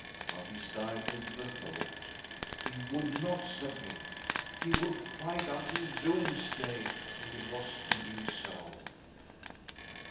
But he stifled the thought— he would not submit, he would fight until doomsday, if it was to be so.